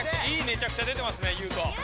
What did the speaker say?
いいめちゃくちゃ出てますねユウト。